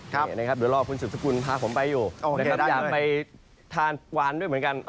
เดี๋ยวรอคุณสุดสกุลพาผมไปอยู่นะครับอยากไปทานกวานด้วยเหมือนกัน